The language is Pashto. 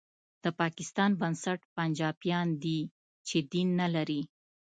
د پاکستان بنسټ پنجابیان دي چې دین نه لري